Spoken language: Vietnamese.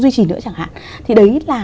duy trì nữa chẳng hạn thì đấy là